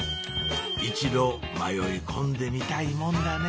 一度迷い込んでみたいもんだね